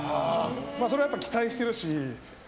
それはやっぱり期待しているし。